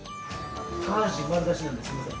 下半身丸出しなんですいません